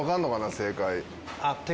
正解。